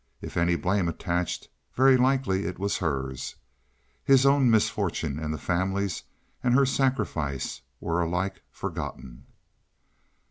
If any blame attached, very likely it was hers. His own misfortune and the family's and her sacrifice were alike forgotten.